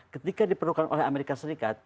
ketika diperlukan oleh amerika serikat